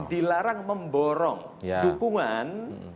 dilarang memborong dukungan